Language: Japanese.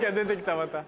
また。